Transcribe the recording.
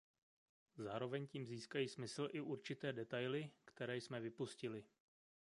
Zároveň tím získají smysl i určité detaily, které jsme vypustili.